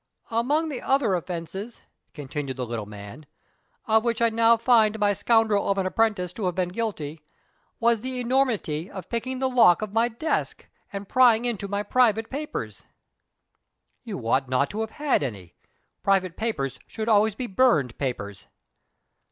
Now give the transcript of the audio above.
"Among the other offenses," continued the little man, "of which I now find my scoundrel of an apprentice to have been guilty, was the enormity of picking the lock of my desk, and prying into my private papers." "You ought not to have had any. Private papers should always be burned papers."